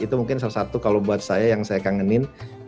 itu mungkin salah satu kalau buat saya yang saya kangenin